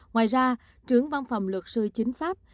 ngoài ra trưởng văn phòng luật sư chính pháp